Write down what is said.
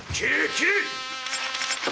斬れ！